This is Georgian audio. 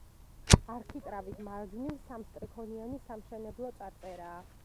არქიტრავის მარჯვნივ სამსტრიქონიანი სამშენებლო წარწერაა.